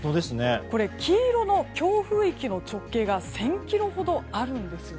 黄色の強風域の直径が１０００ｋｍほどあるんです。